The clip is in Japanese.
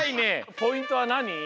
ポイントはなに？